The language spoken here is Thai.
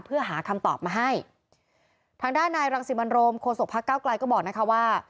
เพื่อหาคำตอบมาให้ทางด้านนายรังสิมันโรมโคศกพักเก้าไกลก็บอกนะคะว่า